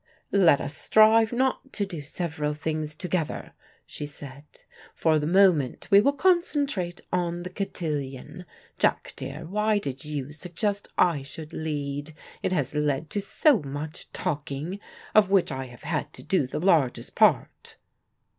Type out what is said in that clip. "Let us strive not to do several things together," she said. "For the moment we will concentrate on the cotillion. Jack dear, why did you suggest I should lead? It has led to so much talking, of which I have had to do the largest part."